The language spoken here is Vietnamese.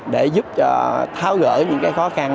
để giúp cho tháo gỡ những cái khó khăn